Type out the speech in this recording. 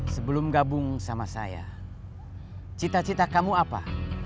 sebelum gabung sama saya cita cita kamu apa